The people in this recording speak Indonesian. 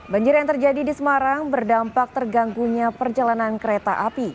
banjir yang terjadi di semarang berdampak terganggunya perjalanan kereta api